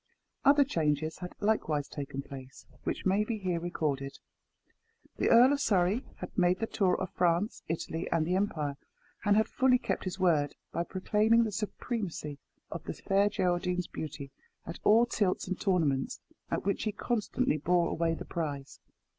Other changes had likewise taken place, which may be here recorded. The Earl of Surrey had made the tour of France, Italy, and the Empire, and had fully kept his word, by proclaiming the supremacy of the Fair Geraldine's beauty at all tilts and tournaments, at which he constantly bore away the prize.